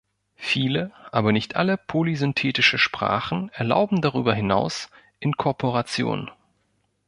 Viele, aber nicht alle polysynthetische Sprachen erlauben darüber hinaus Inkorporation.